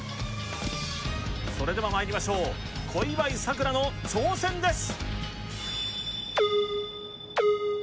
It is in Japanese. それではまいりましょう、小祝さくらの挑戦です。